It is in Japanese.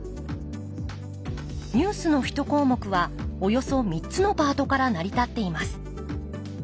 ニュースの１項目はおよそ３つのパートから成り立っています。